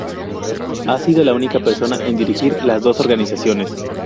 Ha sido la única persona en dirigir las dos organizaciones.